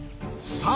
さあ